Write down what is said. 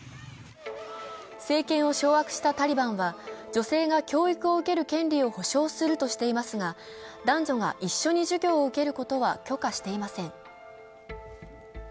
政権を掌握したタリバンは、女性が教育を受ける権利を保障するとしていますが、男女が一緒に授業を受けることは許可していません。